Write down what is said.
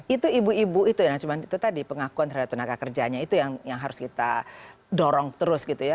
itu ibu ibu itu yang cuma itu tadi pengakuan terhadap tenaga kerjanya itu yang harus kita dorong terus gitu ya